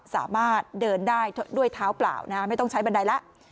สามารถเดินได้ด้วยเท้าเปล่าไม่ต้องใช้บันไดแล้ว